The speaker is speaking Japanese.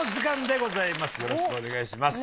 よろしくお願いします。